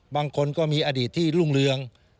บางคนก็มีอดีตที่รุ่งเรือง